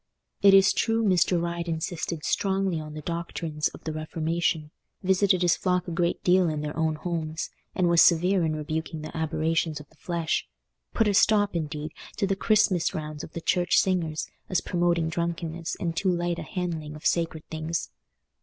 It is true, Mr. Ryde insisted strongly on the doctrines of the Reformation, visited his flock a great deal in their own homes, and was severe in rebuking the aberrations of the flesh—put a stop, indeed, to the Christmas rounds of the church singers, as promoting drunkenness and too light a handling of sacred things.